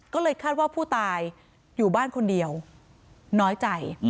ก็เลยคาดว่าผู้ตายอยู่บ้านคนเดียวน้อยใจ